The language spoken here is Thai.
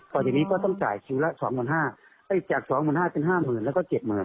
ตอนที่นี้ก็ต้องจ่ายคิวละ๒๕จาก๒๕เป็น๕๐๐๐๐แล้วก็๗๐๐๐๐